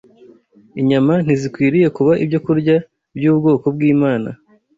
Inyama ntizikwiriye kuba ibyokurya by’ubwoko bw’Imana